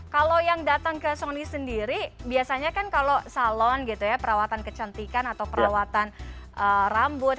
kalau yang datang ke sony sendiri biasanya kan kalau salon gitu ya perawatan kecantikan atau perawatan rambut